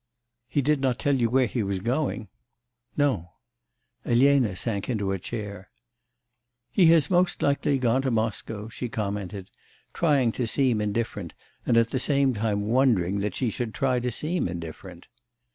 'He did not tell you where he was going?' 'No.' Elena sank into a chair. 'He has most likely gone to Moscow,' she commented, trying to seem indifferent and at the same time wondering that she should try to seem indifferent.